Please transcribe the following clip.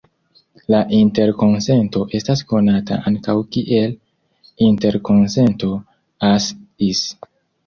La interkonsento estas konata ankaŭ kiel interkonsento "As-Is".